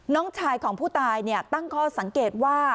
น้องชายของผู้ตายตั้งข้อสังเกตว่า